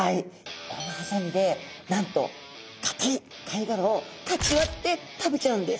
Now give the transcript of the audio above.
このハサミでなんとかたい貝がらをかち割って食べちゃうんです。